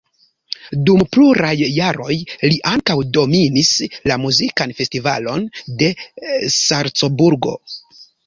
Dum pluraj jaroj li ankaŭ dominis la muzikan festivalon de Salcburgo.